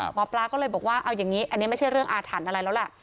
หมอปลาก็เลยบอกว่าเอาอย่างนี้อันนี้ไม่ใช่เรื่องอาถรรพ์อะไรแล้วแหละ